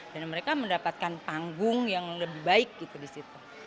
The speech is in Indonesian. dan mereka mendapatkan panggung yang lebih baik di situ